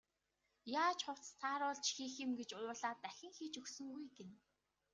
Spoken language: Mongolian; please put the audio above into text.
Яаж хувцас тааруулж хийх юм гэж уурлаад дахин хийж өгсөнгүй гэнэ.